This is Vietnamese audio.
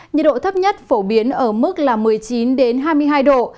nhiệt độ thấp nhất phổ biến ở mức một mươi chín đến hai mươi hai độ